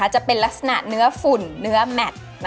จะเป็นลักษณะเนื้อฝุ่นเนื้อแมท